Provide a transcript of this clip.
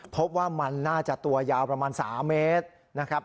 พบว่ามันน่าจะตัวยาวประมาณ๓เมตรนะครับ